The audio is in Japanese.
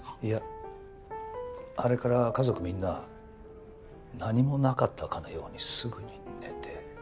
いやあれから家族みんな何もなかったかのようにすぐに寝て。